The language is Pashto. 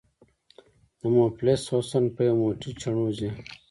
” د مفلس حُسن په یو موټی چڼو ځي”